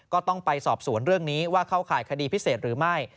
ก็ต้องไปสอบสวนเรื่องนี้ว่าเข้าข่ายคดีพิเศษหรือไม่